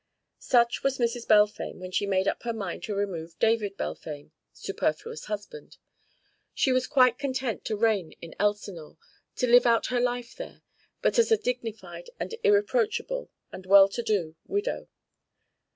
Such was Mrs. Balfame when she made up her mind to remove David Balfame, superfluous husband. She was quite content to reign in Elsinore, to live out her life there, but as a dignified and irreproachable and well to do widow.